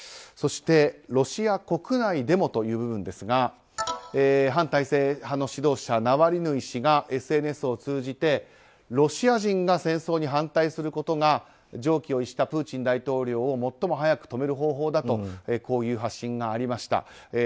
そして、ロシア国内でもという部分ですが反体制派の指導者ナワリヌイ氏がＳＮＳを通じてロシア人が戦争に反対することが常軌を逸したプーチン大統領を最も早く止める方法だとこういう発信がありました。